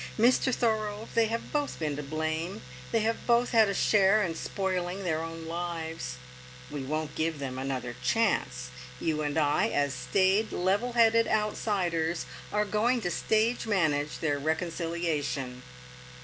Mr Thorold! they have both been to blame, they have both had a share in spoiling their own lives we won't give them another chance! You and I, as staid, level headed outsiders, are going to stage manage their reconciliation."